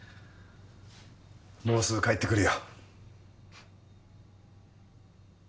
もうすぐ帰ってくるよ。